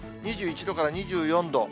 ２１度から２４度。